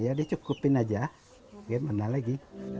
ya dicukupin aja bagaimana lagi